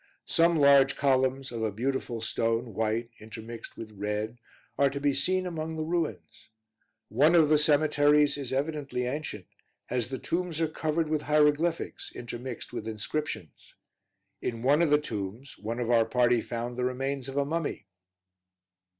Some large columns, of a beautiful stone, white intermixed red, are to be seen among the ruins. One of the cemeteries is evidently ancient, as the tombs are covered with hieroglyphics, intermixed with inscriptions. In one of the tombs one of our party found the remains of a mummy.